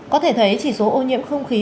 có thể thấy chỉ số ô nhiễm không khí